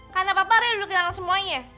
karena papa re udah kehilangan semuanya